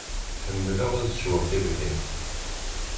Ḥemmleɣ ad ssweɣ tibḥirt.